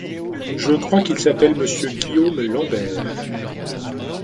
Je crois qu’il s’appelle Monsieur Guillaume Lambert.